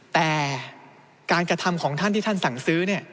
แต่การกระทำของท่านที่ท่านสั่งซื้อเนี่ย